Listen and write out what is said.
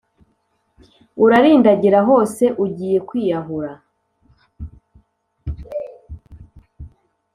Urarindagira hose ugiye kwiyahura